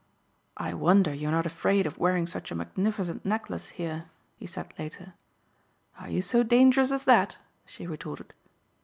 "I wonder you are not afraid of wearing such a magnificent necklace here," he said later. "Are you so dangerous as that?" she retorted.